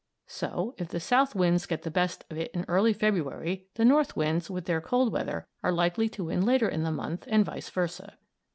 So if the South Winds get the best of it early in February, the North Winds, with their cold weather, are likely to win later in the month, and vice versa.